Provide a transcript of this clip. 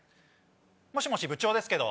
もしもし部長ですけど。